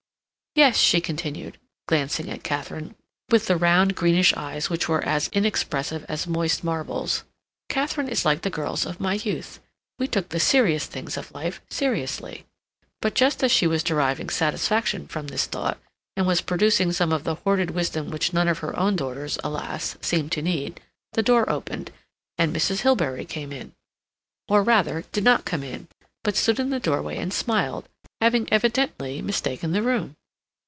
"Yes," she continued, glancing at Katharine, with the round, greenish eyes which were as inexpressive as moist marbles, "Katharine is like the girls of my youth. We took the serious things of life seriously." But just as she was deriving satisfaction from this thought, and was producing some of the hoarded wisdom which none of her own daughters, alas! seemed now to need, the door opened, and Mrs. Hilbery came in, or rather, did not come in, but stood in the doorway and smiled, having evidently mistaken the room.